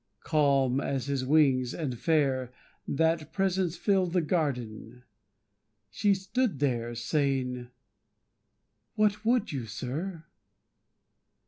Calm as his wings, and fair, That presence filled the garden. She stood there, Saying, "What would you, Sir?"